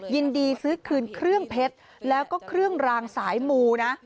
ยินดีซื้อคืนเครื่องเพชรแล้วก็เครื่องรางสายมูนะ